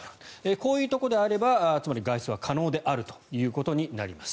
こういうところであれば外出は可能ということになります。